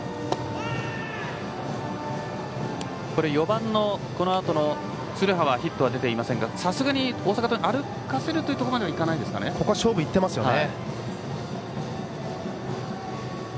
４番、このあとの鶴羽はヒットは出ていませんがさすがに大阪桐蔭歩かせるというところまではここは勝負に行っていますね。